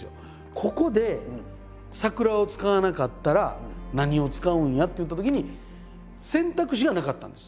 ここで桜を使わなかったら何を使うんやっていったときに選択肢がなかったんです。